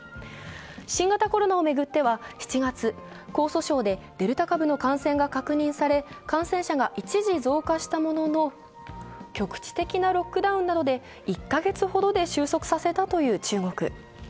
新型コロナを巡っては７月、江蘇省でデルタ株の感染が確認され、感染者が一時、増加したものの局地的なロックダウンなどで１カ月ほどで収束させたという中国。